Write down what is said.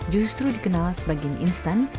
justru dikenal sebagai instan